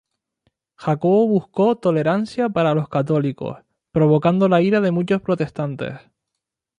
Jacobo buscó tolerancia para los católicos, provocando la ira de muchos protestantes.